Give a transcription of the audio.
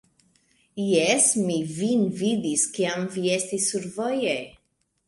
Jes, mi vin vidis kiam vi estis survoje